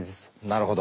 なるほど。